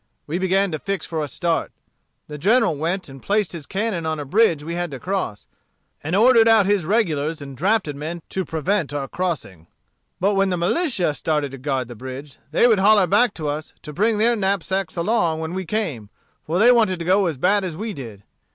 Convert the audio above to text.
We began to fix for a start. The General went and placed his cannon on a bridge we had to cross, and ordered out his regulars and drafted men to prevent our crossing. But when the militia started to guard the bridge, they would holler back to us to bring their knapsacks along when we came; for they wanted to go as bad as we did.